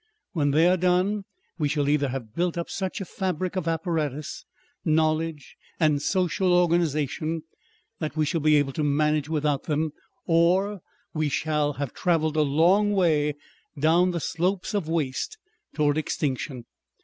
When they are done we shall either have built up such a fabric of apparatus, knowledge and social organization that we shall be able to manage without them or we shall have travelled a long way down the slopes of waste towards extinction....